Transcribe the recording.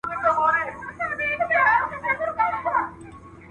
ځوانمیرګه شپه سبا سوه د آذان استازی راغی